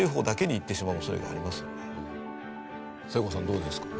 どうですか？